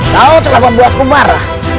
kau telah membuatku marah